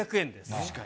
確かに。